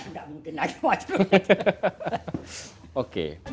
nggak mungkin aja bawa celurit